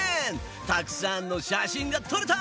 たくさんの写真が撮れた！